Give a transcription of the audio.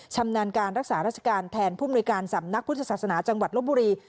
ชำนาญการรักษาราชการแทนผู้มนุยการสำนักพุทธศาสนาจังหวัดลบบุรี